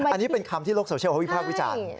อันนี้เป็นคำที่โลกโซเชียลวิพาทวิจันทร์